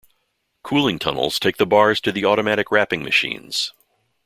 Cooling tunnels take the bars to the automatic wrapping machines.